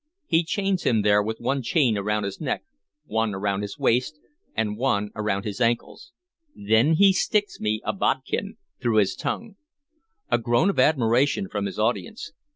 "He chains him there, with one chain around his neck, one around his waist, and one around his ankles. Then he sticks me a bodkin through his tongue." A groan of admiration from his audience.